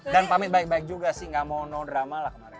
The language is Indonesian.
dan pamit baik baik juga sih gak mau no drama lah kemarin